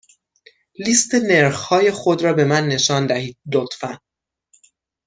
لیست نرخ های خود را به من نشان دهید، لطفا.